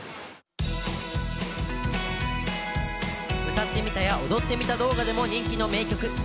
歌ってみたや、踊ってみた動画でも人気人気の名曲。